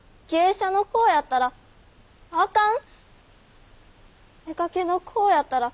妾の子やったらああかん？